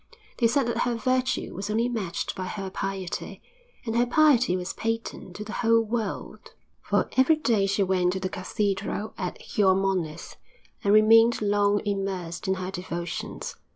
They said that her virtue was only matched by her piety, and her piety was patent to the whole world, for every day she went to the cathedral at Xiormonez and remained long immersed in her devotions.